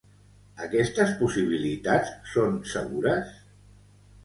Aquestes possibilitats són segures?